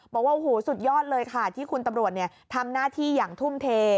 บอกว่าโอ้โหสุดยอดเลยค่ะที่คุณตำรวจทำหน้าที่อย่างทุ่มเท